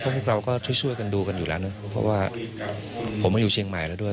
พวกเราก็ช่วยช่วยกันดูกันอยู่แล้วนะเพราะว่าผมมาอยู่เชียงใหม่แล้วด้วย